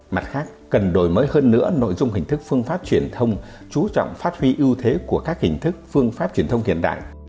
mặt khác cần đổi mới hơn nữa nội dung hình thức phương pháp truyền thông chú trọng phát huy ưu thế của các hình thức phương pháp truyền thông hiện đại